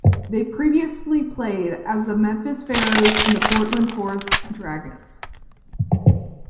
They previously played as the Memphis Pharaohs and Portland Forest Dragons.